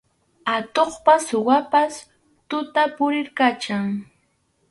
Atuqpas suwapas tuta puriykachan.